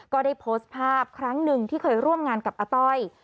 ก็ได้โพสต์ภาพครั้งหนึ่งที่เคยร่วมงานกับอาต้อย